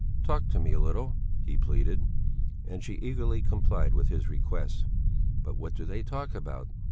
"Talk to me a little," he pleaded. And she eagerly complied with his request. "But what do they talk about?"